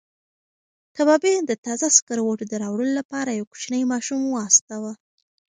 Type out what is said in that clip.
کبابي د تازه سکروټو د راوړلو لپاره یو کوچنی ماشوم واستاوه.